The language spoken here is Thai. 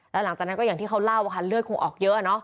แล้วหลังจากนั้นก็อย่างที่เขาเล่าค่ะเลือดคงออกเยอะ